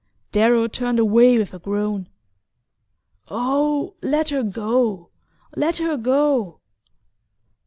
Darrow turned away with a groan. "Oh, let her go let her go."